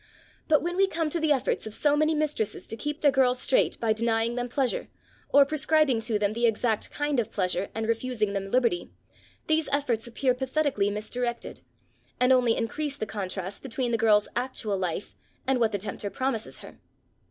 But when we come to the efforts of so many mistresses to keep their girls straight by denying them pleasure, or prescribing to them the exact kind of pleasure and refusing them liberty, these efforts appear often pathetically misdirected, and only increase the contrast between the girl's actual life and what the tempter promises her.